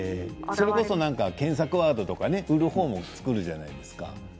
それこそ検索ワードとか売る方もつけるじゃないですか。